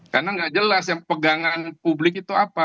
karena nggak jelas yang pegangan publik itu apa